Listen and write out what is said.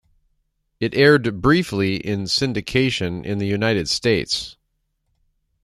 It aired briefly in syndication in the United States.